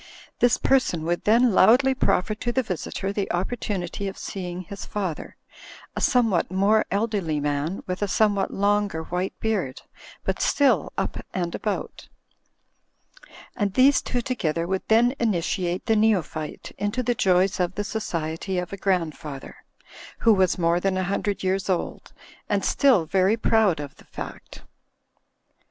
This person would then loudly proffer to the visitor the opportunity of seeing his father, a somewhat more elderly man, with a somewhat longer white beard, but still "up and about.*' And these two together would then initiate the neophyte into the joys of the society of a grandfather, who was more than a hundred years old, and still very proud of the fact.